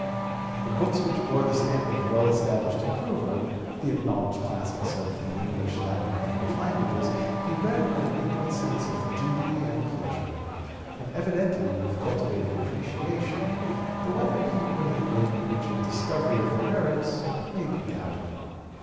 The books which bore the stamp of well established approval, the acknowledged classics of the English, Latin, and French languages he read with a mingled sense of duty and of pleasure, and evidently with cultivated appreciation, (p. 223) though whether he would have made an original discovery of their merits may be doubted.